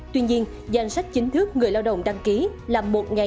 tuy nhiên danh sách chính thức người lao động đăng ký là một hai trăm năm mươi bảy